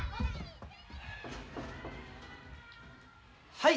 はい。